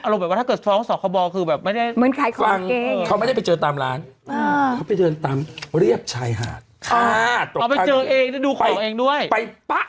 แล้วก็อาจจะคิดตามมุมของผู้ซื้อว่า